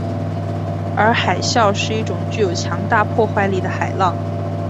而海啸是一种具有强大破坏力的海浪。